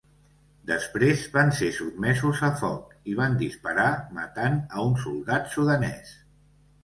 Després van ser sotmesos a foc, i van disparar, matant a un soldat sudanès.